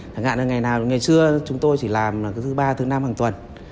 thẳng hạn là ngày nào ngày trưa chúng tôi chỉ làm thứ ba thứ năm hàng tuần